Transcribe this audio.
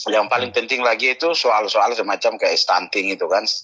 yang paling penting lagi itu soal soal semacam kayak stunting itu kan